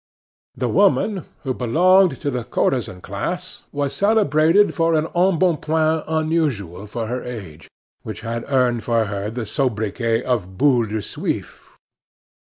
The woman, who belonged to the courtesan class, was celebrated for an embonpoint unusual for her age, which had earned for her the sobriquet of "Boule de Suif" (Tallow Ball).